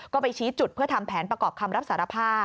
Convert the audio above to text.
ก็ไปชี้จุดเพื่อทำแผนประกอบคำรับสารภาพ